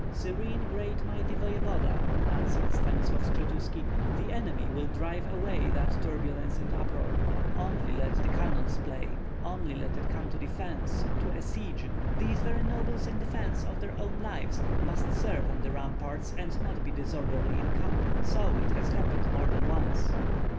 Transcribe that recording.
"Serene great mighty voevoda," answered Stanislav Skshetuski, "the enemy will drive away that turbulence and uproar. Only let the cannon play, only let it come to defence, to a siege, these very nobles in defence of their own lives must serve on the ramparts and not be disorderly in camp. So it has happened more than once."